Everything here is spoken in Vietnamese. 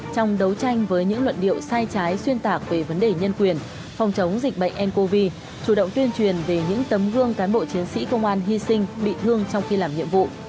phòng chống dịch bệnh ncov chủ động tuyên truyền về những tấm gương cán bộ chiến sĩ công an hy sinh bị thương trong khi làm nhiệm vụ